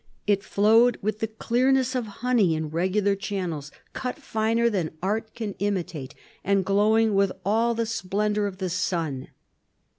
It flowed with the clearness of honey in regular channels, cut finer than art can imitate and glowing with all the splendor of the sun."